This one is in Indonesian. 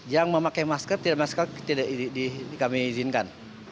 yang memakai masker tidak masker tidak kami izinkan